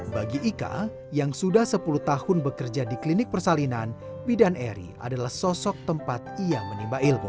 bagi ika yang sudah sepuluh tahun bekerja di klinik persalinan bidan eri adalah sosok tempat ia menimba ilmu